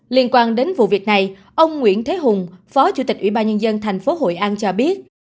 liên quan đến vụ việc này ông nguyễn thế hùng phó chủ tịch ủy ban nhân dân tp hội an cho biết